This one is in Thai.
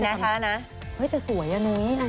นางทางหน้า